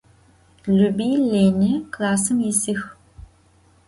Lübi Lêni klassım yisıx.